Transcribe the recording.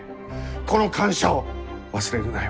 この感謝を忘れるなよ。